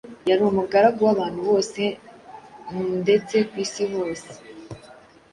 Yari umugaragu w’abantu bose mdetse kwisi hose.